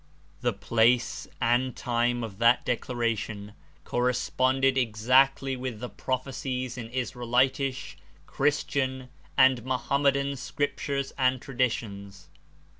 The place and time of that declaration correspond ed exactly with the prophecies In Israelltish, Christian and Mohammedan scriptures and traditions.